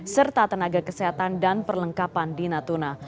serta tenaga kesehatan dan perlengkapan di natuna